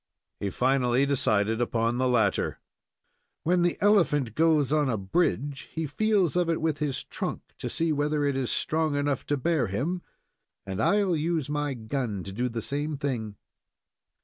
He finally decided upon the latter. "When the elephant goes on a bridge, he feels of it with his trunk to see whether it is strong enough to bear him, and I'll use my gun to do the same thing."